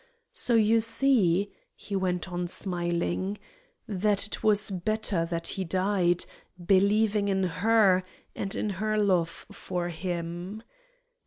So you see," he went on, smiling, "that it was better that he died, believing in her and in her love for him.